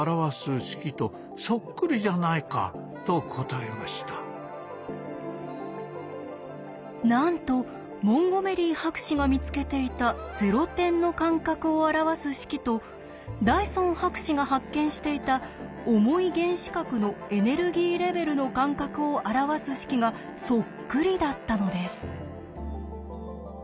やって来たモンゴメリーはどういうわけか私になんとモンゴメリー博士が見つけていた「ゼロ点の間隔を表す式」とダイソン博士が発見していた「重い原子核のエネルギーレベルの間隔を表す式」がそっくりだったのです。